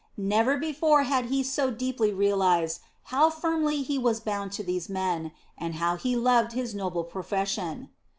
Never before had he so deeply realized how firmly he was bound to these men, and how he loved his noble profession.